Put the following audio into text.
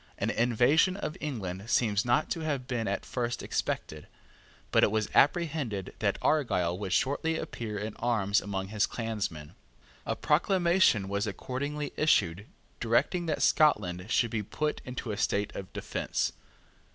An invasion of England seems not to have been at first expected; but it was apprehended that Argyle would shortly appear in arms among his clansmen. A proclamation was accordingly issued directing that Scotland should be put into a state of defence.